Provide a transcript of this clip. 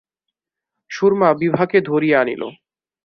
সুরমা বিভাকে ধরিয়া আনিল।